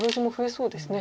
そうですね。